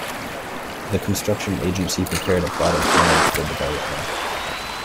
The construction agency prepared a plot of land for development.